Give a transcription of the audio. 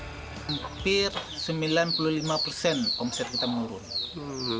hampir sembilan puluh lima persen omset kita menurun